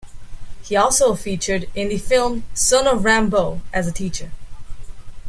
He also featured in the film "Son of Rambow" as a teacher.